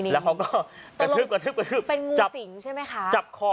แล้วเค้ากระทึบจับคอเป็นงูสิงใช่ไหมคะ